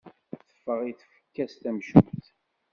Teffeɣ i tfekka-s tamcumt.